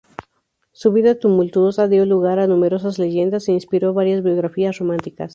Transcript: Su vida tumultuosa dio lugar a numerosas leyendas, e inspiró varias biografías románticas.